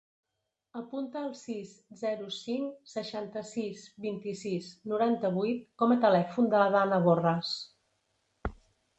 Apunta el sis, zero, cinc, seixanta-sis, vint-i-sis, noranta-vuit com a telèfon de la Dana Borras.